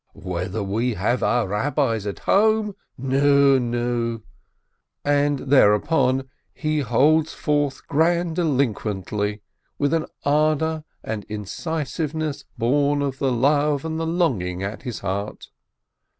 "Whether we have our Eabbis at home ?! N nu !!" And thereupon he holds forth grandiloquently, with an ardor and incisiveness born of the love and the longing at his heart.